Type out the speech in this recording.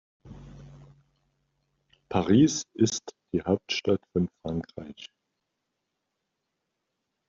Paris ist die Hauptstadt von Frankreich.